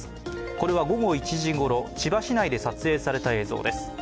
これは午後１時ごろ、千葉市内で撮影された映像です。